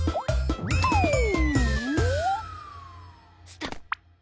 スタッ！